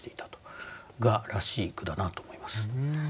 蛾らしい句だなと思います。